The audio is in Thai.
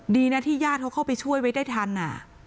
ดีนะที่ญาติเขาเข้าไปช่วยไว้ได้ทัน